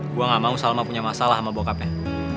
gue gak mau salma punya masalah sama bokapnya